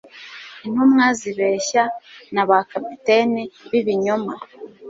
Intumwa zibeshya na ba capitaine b'ibinyoma